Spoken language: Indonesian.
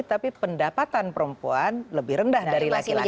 tapi pendapatan perempuan lebih rendah dari laki laki